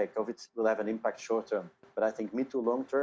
covid akan memiliki dampak pada jangka pendek